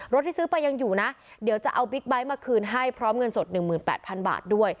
ที่ซื้อไปยังอยู่นะเดี๋ยวจะเอาบิ๊กไบท์มาคืนให้พร้อมเงินสด๑๘๐๐๐บาทด้วย